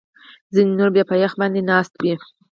ځینې نور بیا په یخ باندې ناست وي